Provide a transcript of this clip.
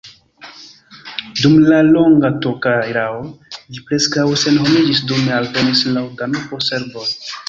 Dum la longa turka erao ĝi preskaŭ senhomiĝis, dume alvenis laŭ Danubo serboj.